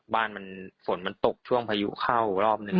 บ้านมันฝนมันตกช่วงพายุเข้ารอบหนึ่ง